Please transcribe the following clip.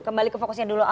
kembali ke fokusnya dulu